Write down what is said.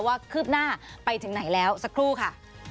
คืบหน้าไปถึงไหนแล้วสักครู่ค่ะ